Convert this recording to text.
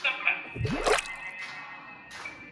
ټوله ورځ په ټولنيزو رسنيو بوخت وي.